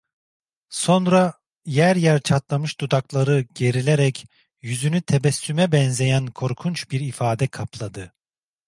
Sonra, yer yer çatlamış dudakları gerilerek, yüzünü tebessüme benzeyen korkunç bir ifade kapladı.